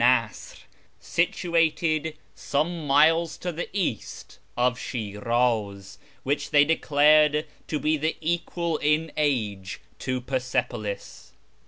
^r, situated some miles to the east of Shiniz, which they declared to be equal in age to Persepolis.